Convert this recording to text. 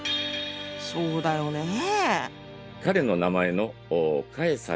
そうだよねぇ。